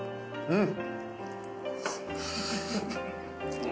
うん！